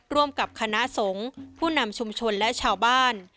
ร่วมกับคณะสงฆ์ผู้นำชุมชนและชาวบ้าน